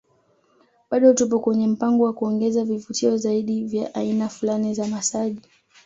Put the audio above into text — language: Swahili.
Bado tupo kwenye mpango wa kuongeza vivutio zaidi vya aina fulani za masaji